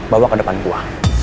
bawa ke depan gue